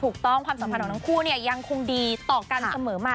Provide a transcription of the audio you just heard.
ความสัมพันธ์ของทั้งคู่เนี่ยยังคงดีต่อกันเสมอมา